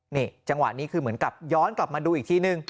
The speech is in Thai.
นี่จังหวะนี้คือเหมือนกับย้อนกลับมาดูอีกทีนึง